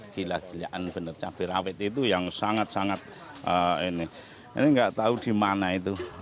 gila gilaan benar cabai rawit itu yang sangat sangat ini ini nggak tahu di mana itu